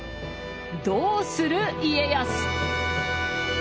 どうする家康。